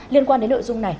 liên quan đến nội dung này